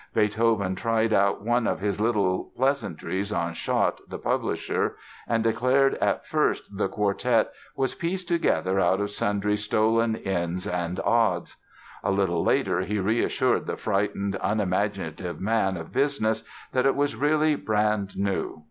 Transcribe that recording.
Beethoven tried out one of his little pleasantries on Schott, the publisher, and declared at first the quartet was "pieced together out of sundry stolen odds and ends." A little later he reassured the frightened, unimaginative man of business that it was really "brand new."